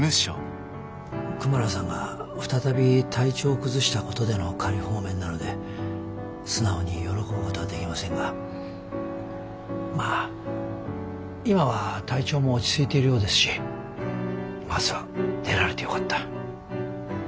クマラさんが再び体調を崩したことでの仮放免なので素直に喜ぶことはできませんがまあ今は体調も落ち着いているようですしまずは出られてよかった。